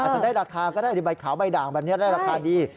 จะได้ราคาก็ได้ใบขาวใบด่างแบบนี้ได้ราคาดี